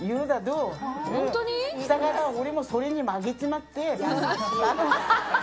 だから、俺もそれに負けちまって。